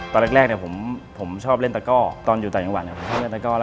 ตอนแรกผมชอบเล่นตะก้อตอนอยู่ใต้หญิงหวัด